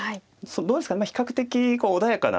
どうですか比較的穏やかな。